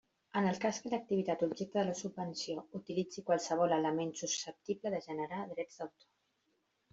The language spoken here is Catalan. En el cas que l'activitat objecte de la subvenció utilitzi qualsevol element susceptible de generar drets d'autor.